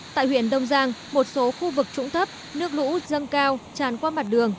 tại huyện đông giang một số khu vực trũng thấp nước lũ dâng cao tràn qua mặt đường